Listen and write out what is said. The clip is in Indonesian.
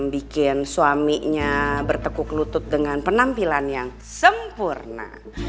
bikin suaminya bertekuk lutut dengan penampilan yang sempurna